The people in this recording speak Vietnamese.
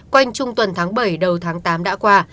quanh trung tuần tháng bảy đầu tháng tám đã qua